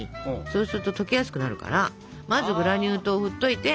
そうすると溶けやすくなるからまずグラニュー糖をふっといて。